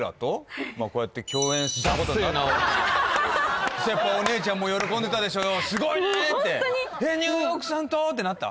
はいやっぱお姉ちゃんも喜んでたでしょすごいねってえっニューヨークさんと？ってなった？